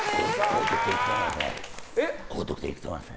高得点いくと思います。